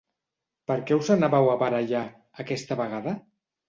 Per què us anàveu a barallar, aquesta vegada?